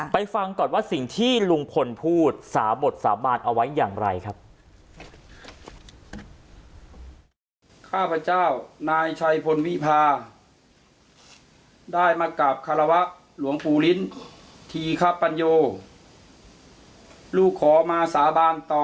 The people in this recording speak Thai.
ฟังก่อนว่าสิ่งที่ลุงพลพูดสาบทสาบานเอาไว้อย่างไรครับ